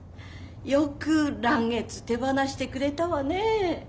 よく嵐月手放してくれたわねえ。